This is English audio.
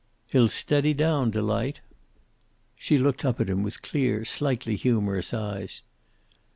"He'll steady down, Delight." She looked up at him with clear, slightly humorous eyes.